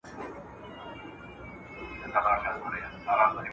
پاکه ده سپېڅلې ده